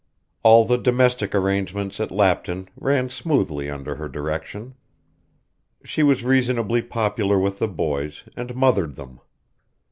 All the domestic arrangements at Lapton ran smoothly under her direction. She was reasonably popular with the boys and mothered them.